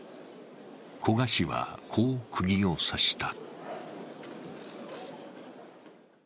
古賀氏は、こうくぎを刺した。